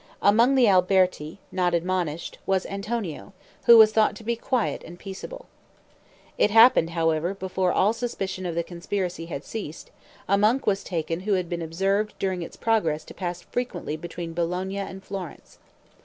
Among the Alberti, not admonished, was Antonio, who was thought to be quiet and peaceable. It happened, however, before all suspicion of the conspiracy had ceased, a monk was taken who had been observed during its progress to pass frequently between Bologna and Florence.